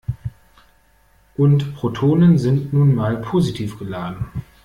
Und Protonen sind nun mal positiv geladen.